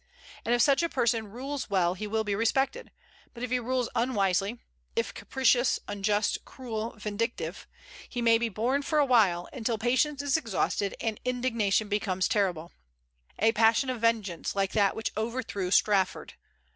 And if such a person rules well he will be respected; but if he rules unwisely, if capricious, unjust, cruel, vindictive, he may be borne for a while, until patience is exhausted and indignation becomes terrible: a passion of vengeance, like that which overthrew Strafford.